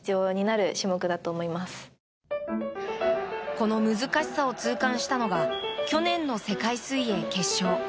この難しさを痛感したのが去年の世界水泳決勝。